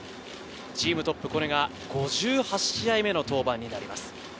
チームトップ、これが５８試合目の登板になります。